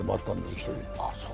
１人。